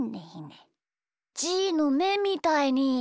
じーのめみたいに。